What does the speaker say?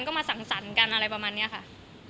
เขาพูดกับเราบ่อยหรือเปล่า